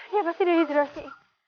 dia pasti dihidrasi